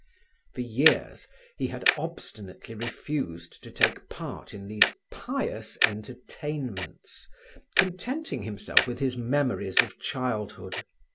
For years he had obstinately refused to take part in these pious entertainments, contenting himself with his memories of childhood.